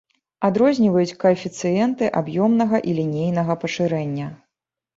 Адрозніваюць каэфіцыенты аб'ёмнага і лінейнага пашырэння.